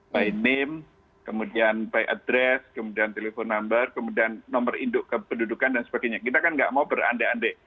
by name kemudian by address kemudian telepon number kemudian nomor pendudukan dan sebagainya kita kan nggak mau berande ande